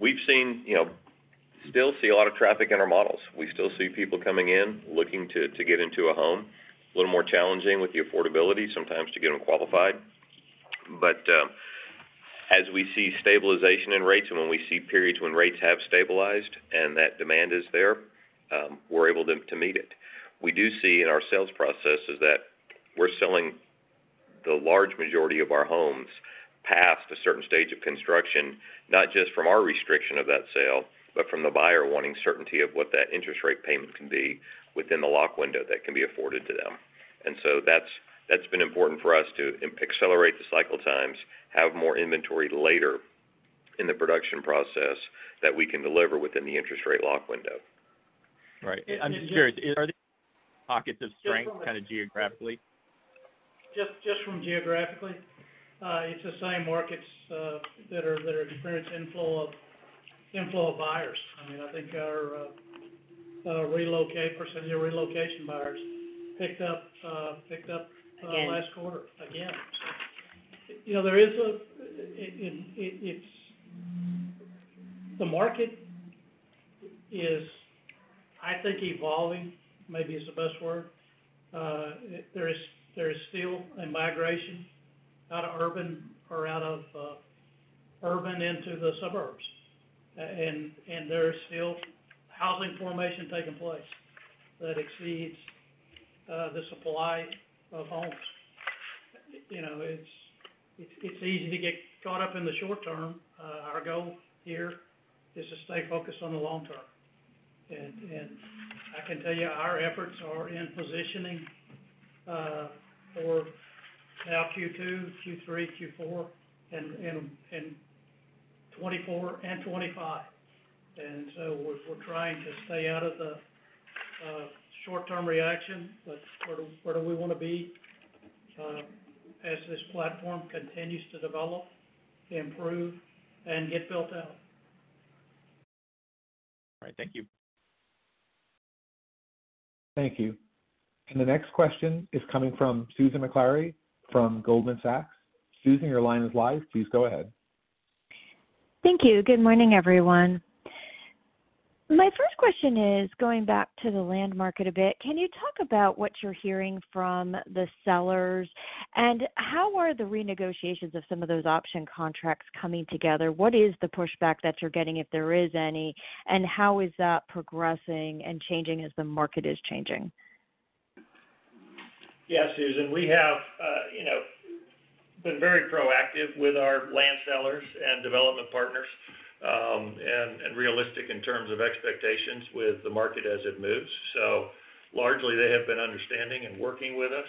F: We've seen, you know, still see a lot of traffic in our models. We still see people coming in looking to get into a home. A little more challenging with the affordability sometimes to get them qualified. As we see stabilization in rates and when we see periods when rates have stabilized and that demand is there, we're able to meet it. We do see in our sales processes that we're selling the large majority of our homes past a certain stage of construction, not just from our restriction of that sale, but from the buyer wanting certainty of what that interest rate payment can be within the lock window that can be afforded to them. That's been important for us to accelerate the cycle times, have more inventory later in the production process that we can deliver within the interest rate lock window.
N: Right. I'm just curious, are there pockets of strength kind of geographically?
E: Just from geographically, it's the same markets that are experienced inflow of buyers. I mean, I think.
C: That are for some new relocation buyers picked up.
N: Again
C: Last quarter again. You know, the market is, I think, evolving, maybe is the best word. There is still a migration out of urban into the suburbs. And there is still housing formation taking place that exceeds the supply of homes. You know, it's easy to get caught up in the short term. Our goal here is to stay focused on the long term. I can tell you our efforts are in positioning for now Q2, Q3, Q4, and 2024 and 2025. We're trying to stay out of the short-term reaction, but where do we wanna be as this platform continues to develop, improve, and get built out.
N: All right. Thank you.
A: Thank you. The next question is coming from Susan Maklari from Goldman Sachs. Susan, your line is live. Please go ahead.
O: Thank you. Good morning, everyone. My first question is going back to the land market a bit. Can you talk about what you're hearing from the sellers, and how are the renegotiations of some of those option contracts coming together? What is the pushback that you're getting, if there is any, and how is that progressing and changing as the market is changing?
F: Yeah. Susan, we have, you know, been very proactive with our land sellers and development partners, and realistic in terms of expectations with the market as it moves. Largely, they have been understanding and working with us,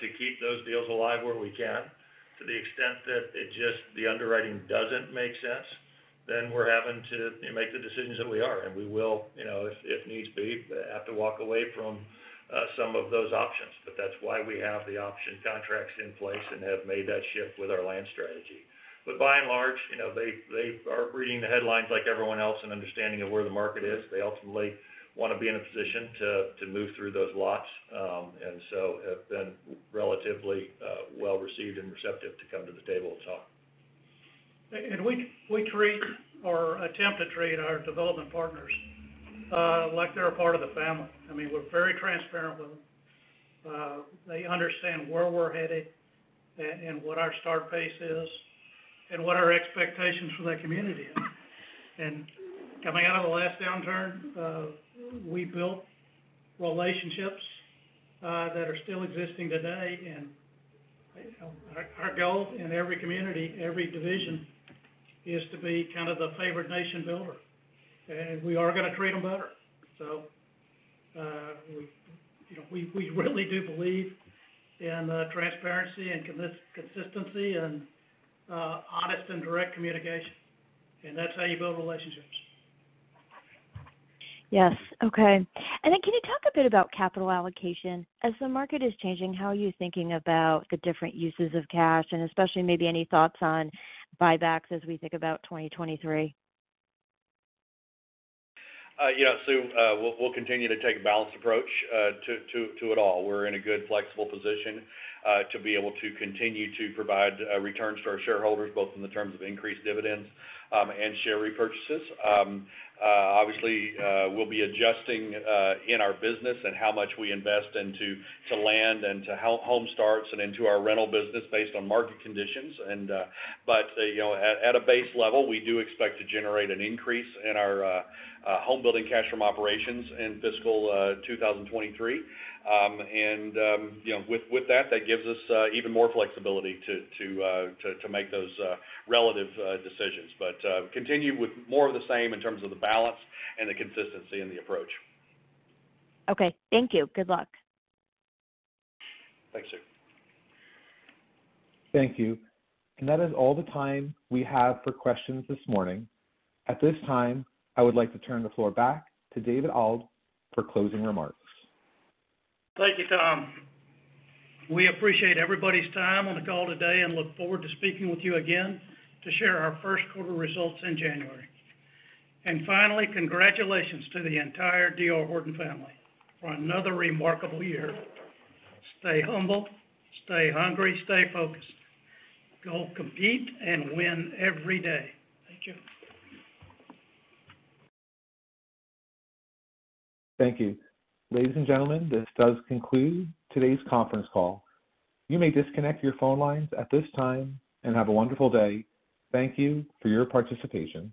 F: to keep those deals alive where we can. To the extent that it just the underwriting doesn't make sense, then we're having to, you know, make the decisions that we are, and we will, you know, if needs be, have to walk away from, some of those options. That's why we have the option contracts in place and have made that shift with our land strategy. By and large, you know, they are reading the headlines like everyone else and understanding of where the market is. They ultimately wanna be in a position to move through those lots, and so have been relatively well-received and receptive to come to the table and talk.
C: We treat or attempt to treat our development partners like they're a part of the family. I mean, we're very transparent with them. They understand where we're headed and what our start pace is and what our expectations for that community is. Coming out of the last downturn, we built relationships that are still existing today. You know, our goal in every community, every division is to be kind of the favorite nation builder, and we are gonna treat them better. We, you know, we really do believe in transparency and consistency and honest and direct communication, and that's how you build relationships.
O: Yes. Okay. Can you talk a bit about capital allocation? As the market is changing, how are you thinking about the different uses of cash, and especially maybe any thoughts on buybacks as we think about 2023?
F: You know, Sue, we'll continue to take a balanced approach to it all. We're in a good flexible position to be able to continue to provide returns to our shareholders, both in terms of increased dividends and share repurchases. Obviously, we'll be adjusting in our business and how much we invest into land and to home starts and into our rental business based on market conditions. You know, at a base level, we do expect to generate an increase in our homebuilding cash from operations in fiscal 2023. You know, with that gives us even more flexibility to make those relative decisions. Continue with more of the same in terms of the balance and the consistency in the approach.
O: Okay. Thank you. Good luck.
F: Thanks, Sue.
A: Thank you. That is all the time we have for questions this morning. At this time, I would like to turn the floor back to David Auld for closing remarks.
C: Thank you, Tom. We appreciate everybody's time on the call today and look forward to speaking with you again to share our first quarter results in January. Finally, congratulations to the entire D.R. Horton family for another remarkable year. Stay humble, stay hungry, stay focused. Go compete and win every day. Thank you.
A: Thank you. Ladies and gentlemen, this does conclude today's conference call. You may disconnect your phone lines at this time, and have a wonderful day. Thank you for your participation.